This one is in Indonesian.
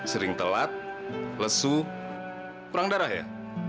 sering telat lesu kurang darah ya